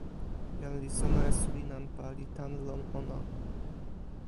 jan li sona e suli nanpa li tan lon ona.